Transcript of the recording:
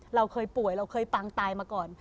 เราเคยป่วยเราเคยปังตายมาก่อน